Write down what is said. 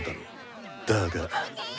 だが。